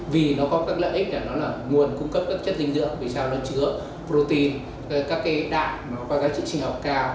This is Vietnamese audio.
vì nó có các lợi ích nó là nguồn cung cấp các chất dinh dưỡng vì sao nó chứa protein các đạn có giá trị sinh học cao